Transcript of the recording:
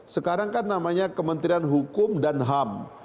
sekarang kan namanya kementerian hukum dan ham